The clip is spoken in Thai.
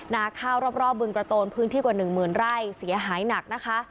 นาข้าวรอบบึงประโตนพื้นที่กว่าหนึ่งหมื่นไร่เสียหายหนักนะคะ